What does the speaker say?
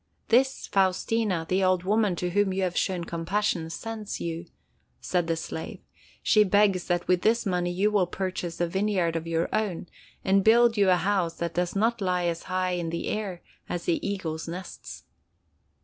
"This, Faustina, the old woman to whom you have shown compassion, sends you," said the slave. "She begs that with this money you will purchase a vineyard of your own, and build you a house that does not lie as high in the air as the eagles' nests."